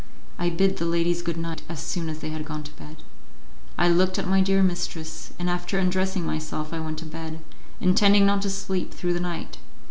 I bid the ladies good night as soon as they had gone to bed; I looked at my dear mistress, and after undressing myself I went to bed, intending not to sleep through the night.